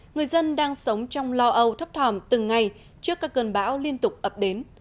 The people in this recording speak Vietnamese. người dân đang sống trong lo âu thấp thòm từng ngày trước các cơn bão liên tục ập đến